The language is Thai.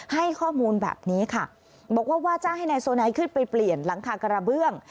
ให้ข้อมูลแบบนี้ค่ะบอกว่าว่าจ้างให้นายโซไนขึ้นไปเปลี่ยนหลังคากระเบื้อง